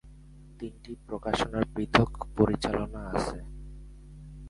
তিনটি প্রকাশনার পৃথক পরিচালনা আছে।